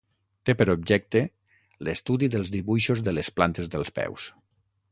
Té per objecte l'estudi dels dibuixos de les plantes dels peus.